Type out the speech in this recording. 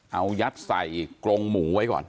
เอายัดใส่กรงหมูไว้ก่อน